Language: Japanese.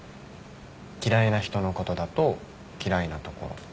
嫌いな人のことだと嫌いなところ。